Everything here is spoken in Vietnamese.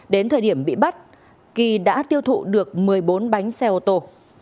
đến thời điểm bị bắt kỳ đã tiêu thụ được một mươi bốn bánh xe ô tô